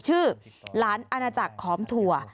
ชื่อหลานอาณาจักรขอมถั่ว